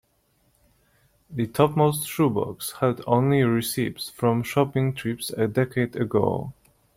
The topmost shoe box held only receipts from shopping trips a decade ago.